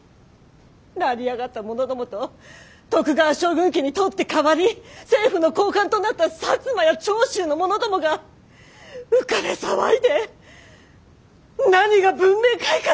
成り上がった者どもと徳川将軍家に取って代わり政府の高官となった薩摩や長州の者どもが浮かれ騒いで何が文明開化だ！